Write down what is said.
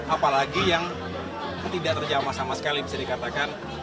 apalagi yang tidak terjamah sama sekali bisa dikatakan